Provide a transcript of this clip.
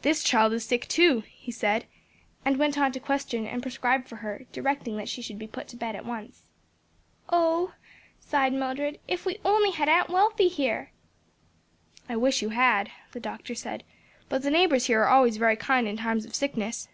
"This child is sick too," he said, and went on to question and prescribe for her, directing that she should be put to bed at once. "Oh," sighed Mildred, "if we only had Aunt Wealthy here!" "I wish you had," the doctor said; "but the neighbors here are always very kind in times of sickness."